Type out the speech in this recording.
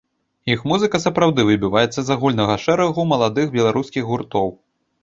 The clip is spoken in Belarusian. Іх музыка сапраўды выбіваецца з агульнага шэрагу маладых беларускіх гуртоў.